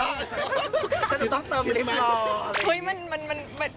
ทั้งต้องการทำฤทธิ์เต๋อด้วยน้องพี่เต๋อเอง่อนเล่นด้วย